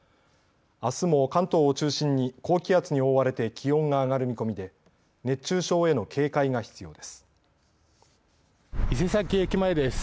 あすも関東を中心に高気圧に覆われて気温が上がる見込みで熱中症への警戒が必要です。